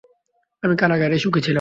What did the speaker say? আমি কারাগারেই সুখী ছিলাম।